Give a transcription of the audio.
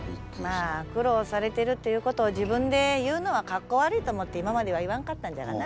まあ苦労されているということを自分で言うのはかっこ悪いと思って今までは言わんかったんじゃがな。